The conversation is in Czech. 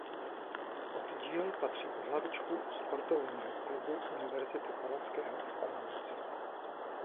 Oddíl patří pod hlavičku Sportovní klubu Univerzity Palackého v Olomouci.